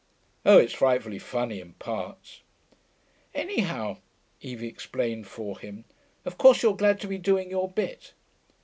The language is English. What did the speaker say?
Oh, it's frightfully funny in parts.' 'Anyhow,' Evie explained for him, 'of course you're glad to be doing your bit.'